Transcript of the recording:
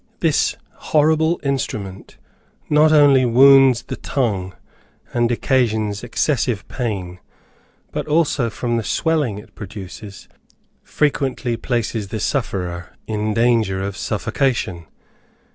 This horrible instrument not only wounds the tongue and occasions excessive pain, but also, from the swelling it produces; frequently places the sufferer in danger of suffocation.